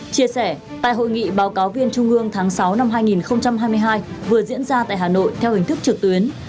chia sẻ tại hội nghị báo cáo viên trung ương tháng sáu năm hai nghìn hai mươi hai vừa diễn ra tại hà nội theo hình thức trực tuyến